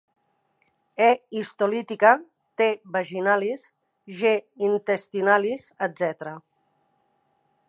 E. histolytica, T. vaginalis, G. intestinalis, etc.